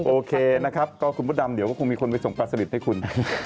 โอเคนะครับก็คุณมดดำเดี๋ยวก็คงมีคนไปส่งปลาสลิดให้คุณ